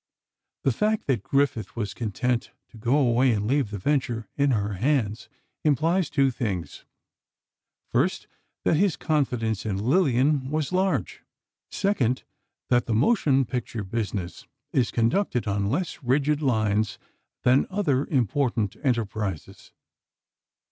The fact that Griffith was content to go away and leave the venture in her hands, implies two things: First, that his confidence in Lillian was large; second, that the motion picture business is conducted on less rigid lines than other important enterprises.